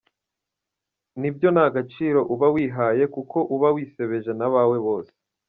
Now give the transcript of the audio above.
Ni byo nta gaciro uba wihaye, kuko uba wisebeje n’abawe bose.